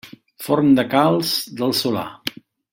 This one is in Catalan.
Forn de calç del Solà.